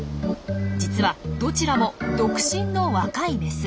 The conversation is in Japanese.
実はどちらも独身の若いメス。